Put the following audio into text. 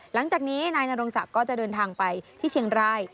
หลังจากนี้นายนรงศักดิ์ก็จะเดินทางไปที่เชียงราย